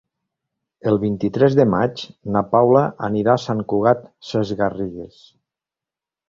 El vint-i-tres de maig na Paula anirà a Sant Cugat Sesgarrigues.